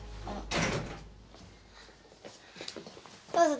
あっ。